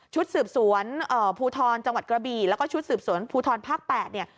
ชุดสืบสวนภูทรจังหวัดกระบี่แล้วก็ชุดสืบสวนภูทรภาค๘เนี่ย